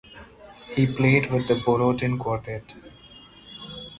He played with the Borodin Quartet.